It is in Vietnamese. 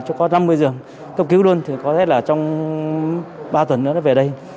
cho có năm mươi giường ốc cứu luôn có thể là trong ba tuần nữa nó về đây